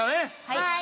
はい！